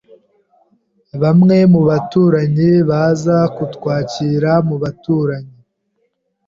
Bamwe mu baturanyi baza kutwakira mu baturanyi.